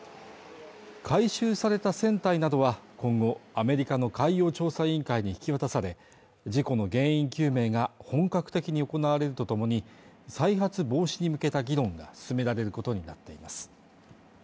回収された船体などは、今後、アメリカの海洋調査委員会に引き渡され、事故の原因究明が本格的に行われるとともに、再発防止に向けた議論が進められることになっています。